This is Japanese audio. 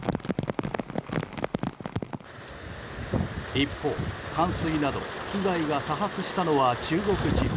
一方、冠水など被害が多発したのは中国地方。